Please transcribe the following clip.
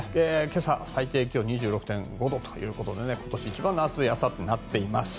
今朝、最低気温２６．５度ということで今年一番の暑い朝となっています。